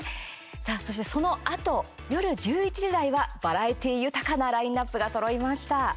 そして、そのあと夜１１時台はバラエティー豊かなラインナップがそろいました。